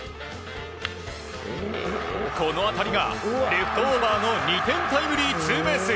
この当たりが、レフトオーバーの２点タイムリーツーベース。